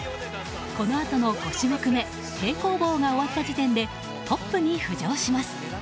このあとの５種目め平行棒が終わった時点でトップに浮上します。